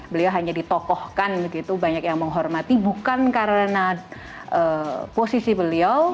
beliau hanya ditokohkan begitu banyak yang menghormati bukan karena posisi beliau